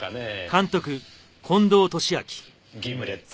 ギムレット。